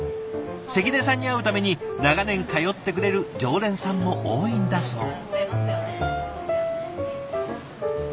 関根さんに会うために長年通ってくれる常連さんも多いんだそう。